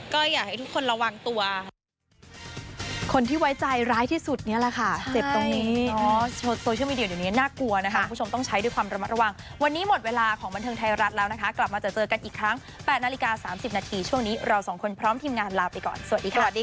ก็อยากให้ทุกคนระวังตัว